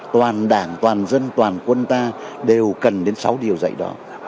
toàn đảng toàn dân toàn quân ta đều cần đến sáu điều dạy đó